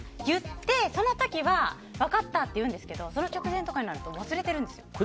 言って、その時は分かったって言うんですけどその直前とかになると忘れてるんですよ。